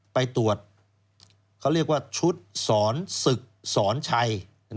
ไปตรวจเขาเรียกว่าชุดสอนศึกสอนชัย